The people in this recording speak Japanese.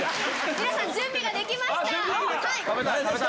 皆さん準備ができました。